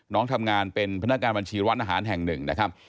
น้องทำงานเป็นพนักงานบัญชีร้านอาหารแห่งหนึ่งนะครับ